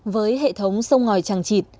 với hệ thống sông ngòi trang trị